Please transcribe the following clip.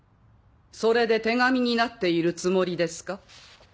それで手紙になっているつもりですか？